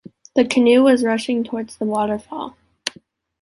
The canoe was rushing towards the waterfall.